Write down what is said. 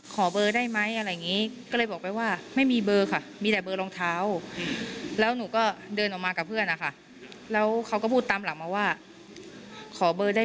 เมื่อกี๊เขาขาทำหรือว่าขังไม่ดี